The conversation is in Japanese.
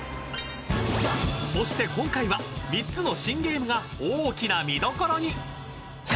［そして今回は３つの新ゲームが大きな見どころに］